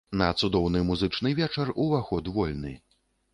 На цудоўны музычны вечар уваход вольны!